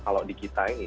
kalau di kita ini